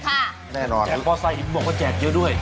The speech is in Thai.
ค่ะแน่นอนแจกฟอร์ไซด์อีกบอกว่าแจกเยอะด้วย